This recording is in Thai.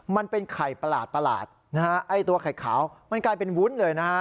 มันเป็นไข่ประหลาดไข่ขาวมันกลายเป็นวุ้นเลยนะฮะ